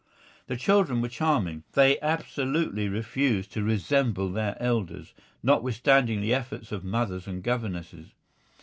The children were charming. They absolutely refused to resemble their elders, notwithstanding the efforts of mothers and governesses.